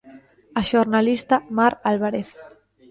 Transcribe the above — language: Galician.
A xornalista Mar Álvarez.